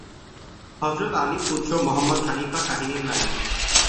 হযরত Ali পুত্র Muhammad Hanifa কাহিনীর নায়ক।